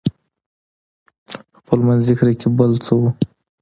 خپلمنځي کرکې بل څه وو.